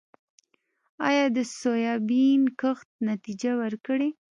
آیا د سویابین کښت نتیجه ورکړې؟